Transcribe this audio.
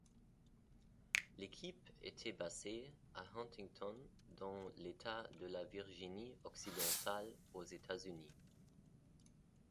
L'équipe était basée à Huntington dans l'État de la Virginie-Occidentale aux États-Unis.